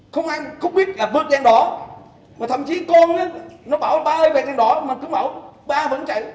không ai không biết là vượt dàn đỏ mà thậm chí con nó bảo ba ơi về dàn đỏ mà cứ bảo ba vẫn chạy